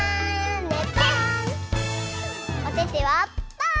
おててはパー！